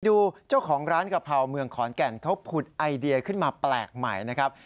ดูเจ้าของร้านกะเพราเมืองขอนแก่นเขาผุดไอเดียขึ้นมาแปลกใหม่นะครับ